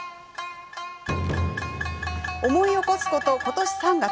思い起こすこと、ことし３月。